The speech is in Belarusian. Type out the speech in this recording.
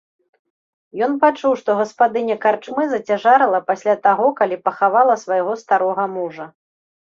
Ён пачуў, што гаспадыня карчмы зацяжарала пасля таго, калі пахавала свайго старога мужа.